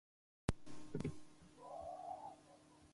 Wayne refused, believing the script to be un-American in many ways.